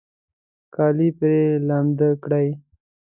کالي پرې لامده کړئ